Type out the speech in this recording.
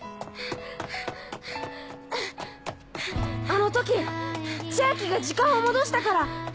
あの時千昭が時間を戻したから